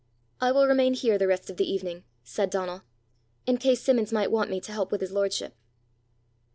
"I will remain here the rest of the evening," said Donal, "in case Simmons might want me to help with his lordship."